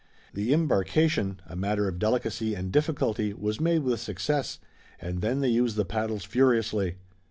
The embarkation, a matter of delicacy and difficulty, was made with success, and then they used the paddles furiously.